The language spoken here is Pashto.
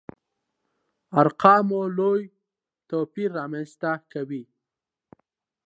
ارقامو لوی توپير رامنځته کوي.